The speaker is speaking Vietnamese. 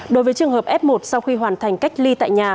đối với trường hợp f một sau khi hoàn thành cách ly tại nhà